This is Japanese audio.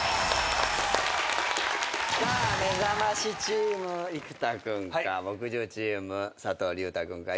さあめざましチーム生田君か木１０チーム佐藤隆太君か。